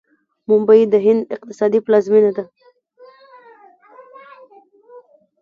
ممبۍ د هند اقتصادي پلازمینه ده.